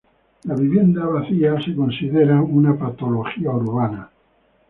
La vivienda vacía se considera una patología urbana.